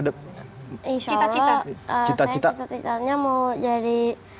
saya cita citanya mau jadi